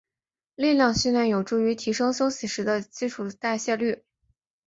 力量训练有助于提升休息时的基础代谢率。